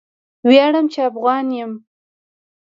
ویاړم چې افغان یم.